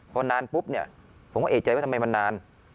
พอนานปุ๊บเนี่ยผมก็เอกใจว่าทำไมมันนาน